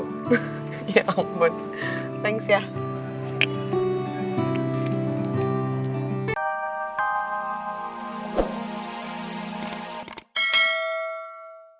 hahaha ya ampun